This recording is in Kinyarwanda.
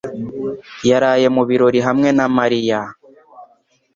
yaraye mu birori hamwe na Mariya.